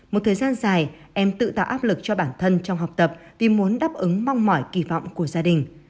một thời gian dài em tự tạo áp lực cho bản thân trong học tập vì muốn đáp ứng mong mỏi kỳ vọng của gia đình